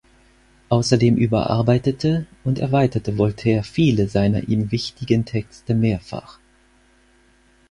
Außerdem überarbeitete und erweiterte Voltaire viele seiner ihm wichtigen Texte mehrfach.